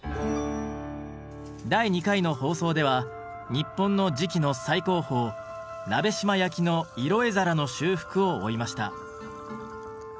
第２回の放送では日本の磁器の最高峰鍋島焼の色絵皿の修復を追いました。